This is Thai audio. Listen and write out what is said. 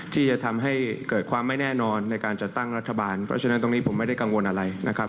ที่จะทำให้เกิดความไม่แน่นอนในการจัดตั้งรัฐบาลเพราะฉะนั้นตรงนี้ผมไม่ได้กังวลอะไรนะครับ